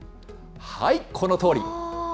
はい、このとおり。